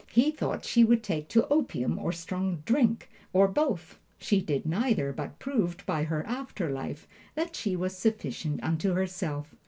He thought she would take to opium or strong drink, or both. She did neither, but proved, by her after life, that she was sufficient unto herself.